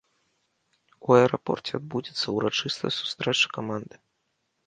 У аэрапорце адбудзецца ўрачыстая сустрэча каманды.